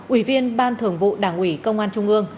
ủy viên ban thường vụ đảng ủy công an trung ương